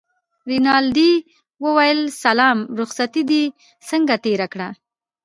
رینالډي وویل سلام رخصتې دې څنګه تېره کړه.